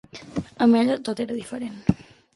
Amb ella tot era diferent.